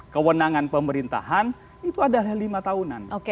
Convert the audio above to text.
kewenangan pemerintahan itu adalah lima tahunan